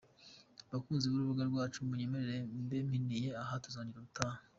Bakunzi b’urubuga rwacu munyemerere mbe mpiniye aha tuzongera ubutaha.